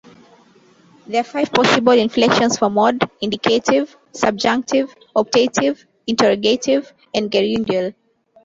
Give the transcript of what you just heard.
There are five possible inflections for mode: indicative, subjunctive, optative, interrogative, and gerundial.